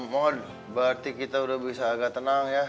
mohon berarti kita udah bisa agak tenang ya